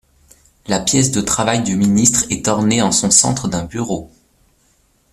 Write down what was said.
La pièce de travail du ministre est ornée en son centre d'un bureau.